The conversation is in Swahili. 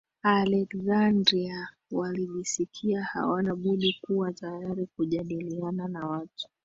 Aleksandria walijisikia hawana budi kuwa tayari kujadiliana na watu